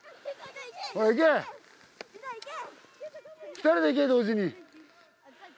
２人で行け同時に。